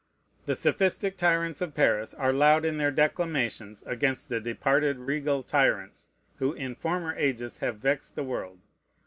The sophistic tyrants of Paris are loud in their declamations against the departed regal tyrants who in former ages have vexed the world.